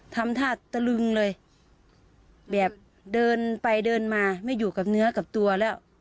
ทำท่าตะลึงเลยแบบเดินไปเดินมาไม่อยู่กับเนื้อกับตัวแล้ว